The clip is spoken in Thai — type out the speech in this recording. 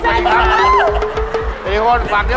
แบกทางไป